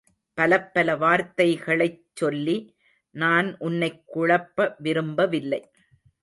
பலப்பல வார்த்தைகளைச் சொல்லி நான் உன்னைக் குழப்ப விரும்பவில்லை.